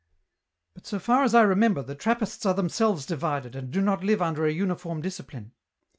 " But, so far as I remember, the Trappists are themselves divided, and do not live under a uniform discipline."